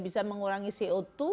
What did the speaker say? bisa mengurangi co dua